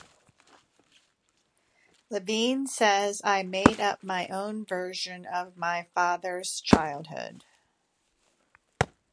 Levine says, I made up my own version of my father's childhood.